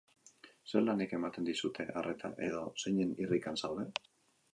Zer lanek eman dizute arreta edo zeinen irrikan zaude?